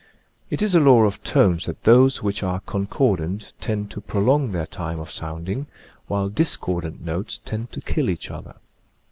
It is a law of tones that those which are con cordant tend to prolong their time of sounding, while discordant notes tend to kill each other.